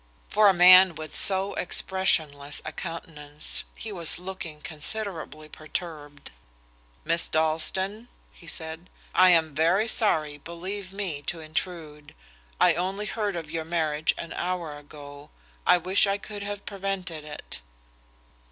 For a man with so expressionless a countenance, he was looking considerably perturbed. "Miss Dalstan," he said, "I am very sorry, believe me, to intrude. I only heard of your marriage an hour ago. I wish I could have prevented it."